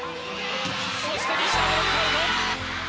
そして西田ブロックアウト！